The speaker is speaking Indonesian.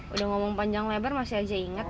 udah ngomong panjang lebar masih aja inget